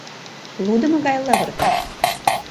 Лудымо гай лывырге.